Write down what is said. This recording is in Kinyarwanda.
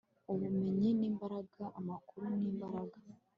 ubumenyi ni imbaraga. amakuru ni imbaraga